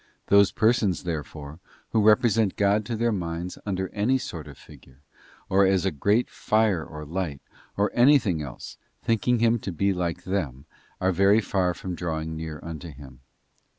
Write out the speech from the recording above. Those persons, therefore, who represent God to their minds under any sort of figure, or as a great fire or light, or anything else, thinking Him to be like them, are very far from drawing near unto Him.